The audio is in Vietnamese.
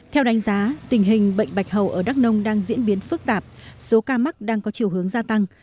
theo đánh giá tình hình bệnh bạch hầu ở đắk nông đang diễn biến phức tạp số ca mắc đang có chiều hướng gia tăng